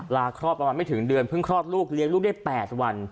คลอดประมาณไม่ถึงเดือนเพิ่งคลอดลูกเลี้ยงลูกได้๘วัน